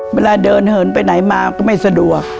เวลาเดินเหินไปไหนมาก็ไม่สะดวก